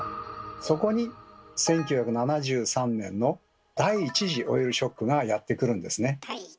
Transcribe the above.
そこに１９７３年の第１次オイルショックがやって来るんですね。